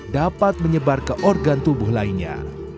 dapat menyebar ke organ tubuh lainnya